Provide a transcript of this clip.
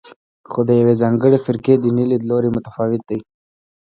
خو د یوې ځانګړې فرقې دیني لیدلوری متفاوت دی.